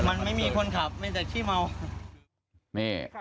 มันไม่มีคนขับมีแต่ขี้เมา